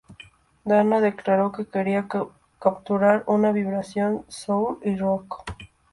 Dana declaró: "Quería capturar una vibración soul y rock...